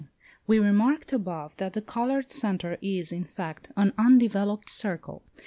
We remarked above, that the coloured centre is, in fact, an undeveloped circle.